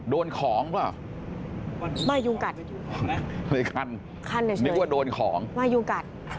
โดนของป่ะไม่ยุ่งกัดไม่คันคันไม่ว่าโดนของไม่ยุ่งกัด